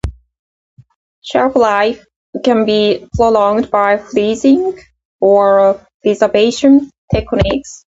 Shelf life can be prolonged by freezing or preservation techniques.